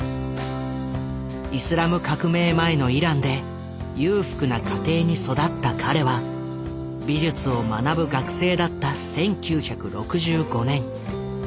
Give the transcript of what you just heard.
イスラム革命前のイランで裕福な家庭に育った彼は美術を学ぶ学生だった１９６５年ニューヨークを訪れる。